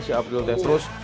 si aprilnya terus